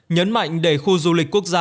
nhấn mạnh để khu du lịch quốc gia